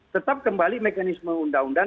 tetap kembali mekanisme undang undang